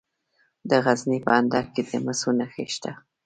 د غزني په اندړ کې د مسو نښې شته.